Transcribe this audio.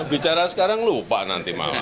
bicara sekarang lupa nanti malam